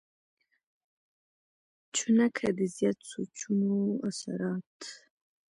چونکه د زيات سوچونو اثرات